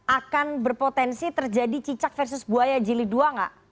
akan berpotensi terjadi cicak versus buaya jeli dua gak